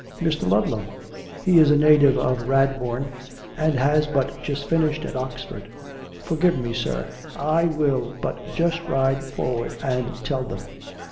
"Mr. Ludlam?" " He is a native of Radbourne, and has but just finished at Oxford. ... Forgive me, sir; I will but just ride for ward and tell them."